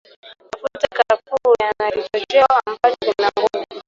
Mafuta ya karafuu yana kichocheo ambacho kina nguvu